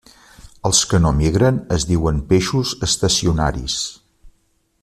Els que no migren es diuen peixos estacionaris.